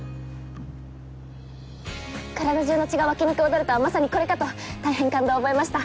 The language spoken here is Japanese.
体中の血が湧き肉躍るとはまさにこれかと大変感動を覚えました。